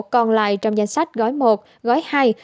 còn lại trong danh sách gói một gói hai